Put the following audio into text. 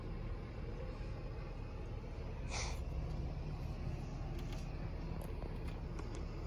De esta manera se hacen alusiones a las temporadas y episodios pasados.